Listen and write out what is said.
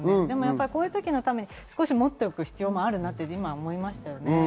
こういうときのために少し持っておく必要があるなと今思いましたね。